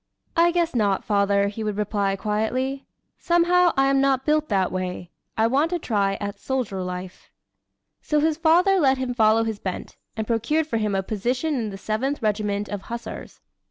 "I guess not, father," he would reply quietly. "Somehow, I am not built that way. I want a try at soldier life." So his father let him follow his bent, and procured for him a position in the Seventh Regiment of Hussars.